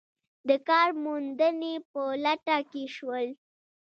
د کار موندنې په لټه کې شول.